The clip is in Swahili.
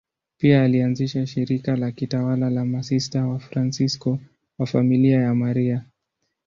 Pia alianzisha shirika la kitawa la Masista Wafransisko wa Familia ya Maria.